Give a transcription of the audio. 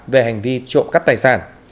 về hành vi trộm cắt tài sản